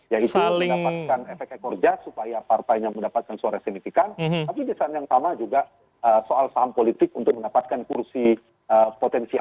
yaitu mendapatkan efek ekor jas supaya partainya mendapatkan suara signifikan tapi di saat yang sama juga soal saham politik untuk mendapatkan kursi potensial